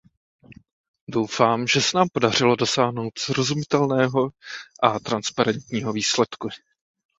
Doufám, že se nám podařilo dosáhnout srozumitelného a transparentního výsledku.